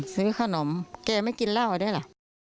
ซื้อขนมแกไม่กินเหรอ